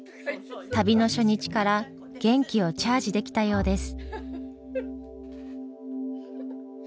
旅の初日から元気をチャージできたようです。